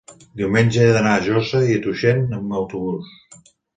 diumenge he d'anar a Josa i Tuixén amb autobús.